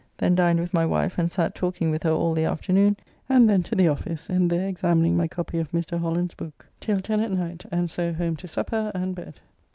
Then dined with my wife and sat talking with her all the afternoon, and then to the office, and there examining my copy of Mr. Holland's book till 10 at night, and so home to supper and bed.